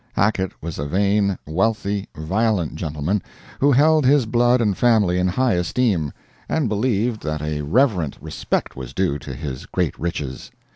Hackett was a vain, wealthy, violent gentleman, who held his blood and family in high esteem, and believed that a reverent respect was due to his great riches.